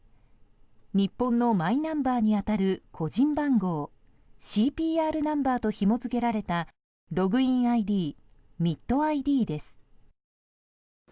日本のマイナンバーに当たる個人番号ＣＰＲナンバーとひも付けられたログインＩＤＭｉｔＩＤです。